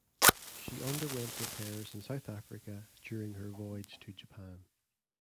She underwent repairs in South Africa during her voyage to Japan.